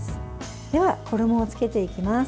では、衣をつけていきます。